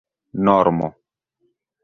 normo